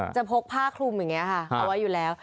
พกผ้าคลุมอย่างนี้ค่ะเอาไว้อยู่แล้ว